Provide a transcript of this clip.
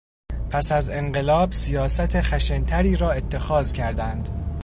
پس از انقلاب سیاست خشنتری را اتخاذ کردند.